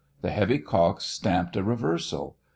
_ the heavy caulks stamped a reversal.